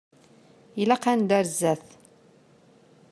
Ilaq ad neddu ar zdat.